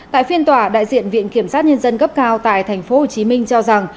tại phiên tòa đại diện viện kiểm sát nhân dân cấp cao tại tp hcm cho rằng